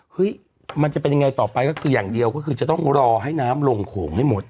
มันจะเป็นยังไงต่อไปก็คืออย่างเดียวก็คือจะต้องรอให้น้ำลงโขงให้หมด